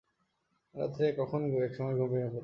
রাত্রে কখন এক সময়ে ঘুম ভেঙে গেল।